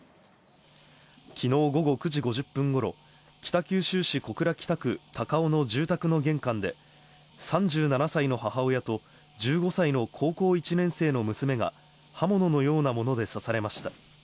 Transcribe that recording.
昨日午後９時５０分頃、北九州市小倉北区高尾の住宅の玄関で３７歳の母親と１５歳の高校１年生の娘が刃物のようなもので刺されました。